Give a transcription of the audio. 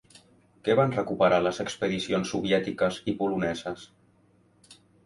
Què van recuperar les expedicions soviètiques i poloneses?